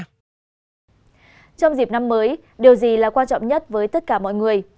trong dịp năm mới điều gì là quan trọng nhất với tất cả mọi người